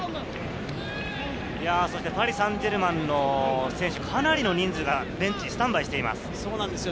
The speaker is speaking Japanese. パリ・サンジェルマンの選手、かなりの人数がベンチにスタンバイしています。